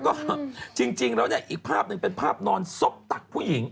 ก็จริงแล้วเนี่ยอีกภาพหนึ่งเป็นภาพนอนซบตักผู้หญิง